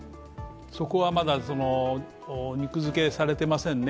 そこはまだ肉付けされていませんね。